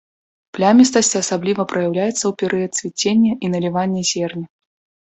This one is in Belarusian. Плямістасць асабліва праяўляецца ў перыяд цвіцення і налівання зерня.